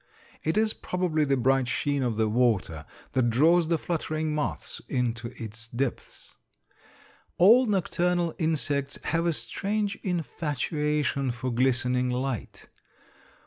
It is probably the bright sheen of the water that draws the fluttering moths into its depths. All nocturnal insects have a strange infatuation for glistening light.